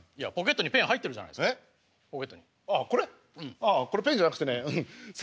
ああこれペンじゃなくてね洗濯ネット。